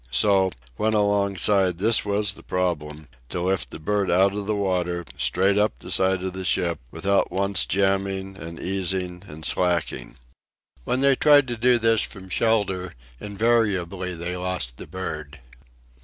So, when alongside, this was the problem: to lift the bird out of the water, straight up the side of the ship, without once jamming and easing and slacking. When they tried to do this from shelter invariably they lost the bird.